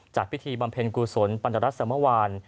จากพิธีบำเพ็ญกุศลปัญหารัฐศรรย์เมื่อวาน